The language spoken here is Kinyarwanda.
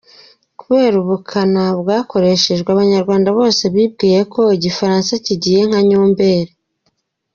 Kubera ubukana bwakoreshejwe abanyarwanda bose bibwiyeko igifaransa kigiye nka nyomberi.